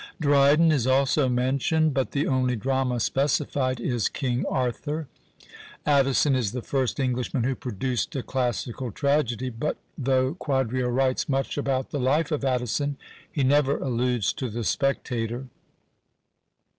Dryden is also mentioned; but the only drama specified is "King Arthur." Addison is the first Englishman who produced a classical tragedy; but though Quadrio writes much about the life of Addison, he never alludes to the Spectator.